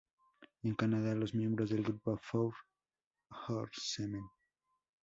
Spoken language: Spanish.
En Canadá, los miembros del grupo "Four Horsemen".